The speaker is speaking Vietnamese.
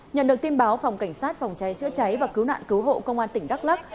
nhận được tin báo phòng cảnh sát phòng cháy chữa cháy và cứu nạn cứu hộ công an tỉnh đắk lắc